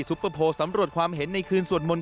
ปเปอร์โพลสำรวจความเห็นในคืนสวดมนต์